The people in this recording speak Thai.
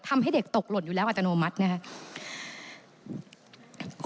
ทำให้เด็กตกหล่นอยู่แล้วอัจจันโนมัติเนี่ยค่ะ